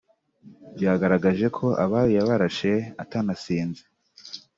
byagaragaye ko Abayo yabarashe atanasinze